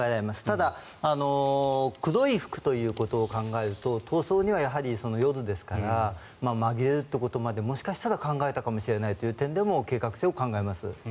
ただ黒い服ということを考えると逃走には、やはり夜ですから紛れるということまでもしかしたら考えたかもしれないということにおいても計画性を考えます。